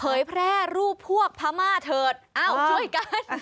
แพร่รูปพวกพม่าเถิดเอ้าช่วยกัน